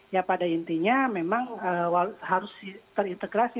ya pada intinya memang harus terintegrasi